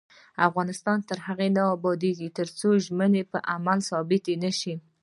افغانستان تر هغو نه ابادیږي، ترڅو ژمنې په عمل ثابتې نشي.